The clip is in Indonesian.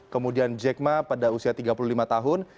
kemudian jack ma pada usia tiga puluh lima tahun